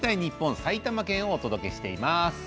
埼玉県をお届けしています。